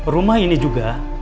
rumah ini juga